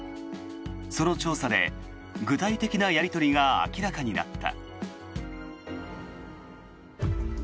その調査で具体的なやり取りが明らかになった。